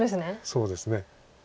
そうですね。